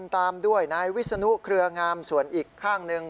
ตามด้วยนายวิศนุเครืองามส่วนอีกข้างหนึ่ง